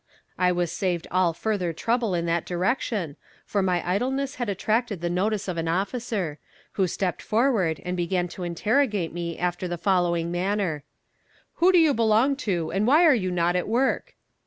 I was saved all further trouble in that direction, for my idleness had attracted the notice of an officer, who stepped forward and began to interrogate me after the following manner: "Who do you belong to, and why are you not at work?"